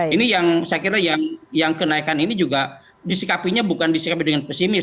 ini yang saya kira yang kenaikan ini juga disikapinya bukan disikapi dengan pesimis